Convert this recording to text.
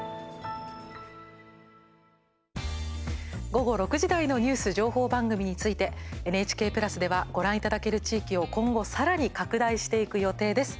午後６時台のニュース情報番組についてＮＨＫプラスではご覧いただける地域を今後さらに拡大していく予定です。